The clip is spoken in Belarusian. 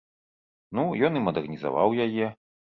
Ну, ён і мадэрнізаваў яе.